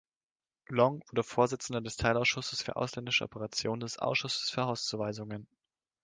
Long wurde Vorsitzender des Teilausschusses für ausländische Operationen des Ausschusses für Hauszuweisungen.